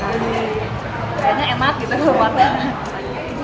kayaknya emak gitu loh buatnya